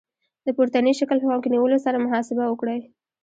د پورتني شکل په پام کې نیولو سره محاسبه وکړئ.